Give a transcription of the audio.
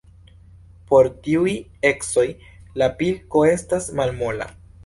Pro tiuj ecoj la pilko estas malmola.